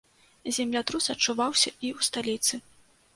Землятрус адчуваўся і ў сталіцы.